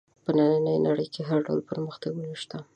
په نننۍ نړۍ کې هر ډول پرمختګونه شته.